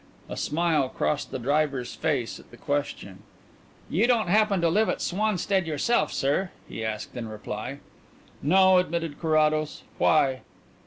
A smile crossed the driver's face at the question. "You don't happen to live at Swanstead yourself, sir?" he asked in reply. "No," admitted Carrados. "Why?"